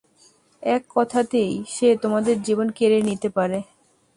এক কথাতেই, সে তোমাদের জীবন কেড়ে নিতে পারে।